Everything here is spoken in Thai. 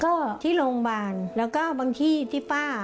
ก็ที่โรงพยาบาลแล้วก็บางที่ที่ป้า